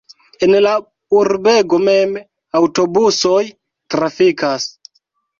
En la urbego mem aŭtobusoj trafikas.